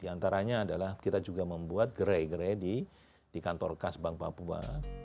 di antaranya adalah kita juga membuat gere gere di kantor khas bank papua